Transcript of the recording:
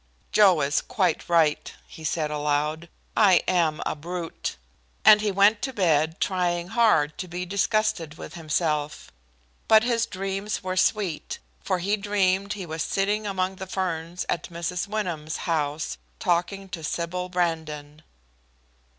"Joe is quite right," he said aloud. "I am a brute." And he went to bed, trying hard to be disgusted with himself. But his dreams were sweet, for he dreamed he was sitting among the ferns at Mrs. Wyndham's house, talking to Sybil Brandon.